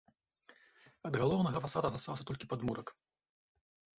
Ад галоўнага фасада застаўся толькі падмурак.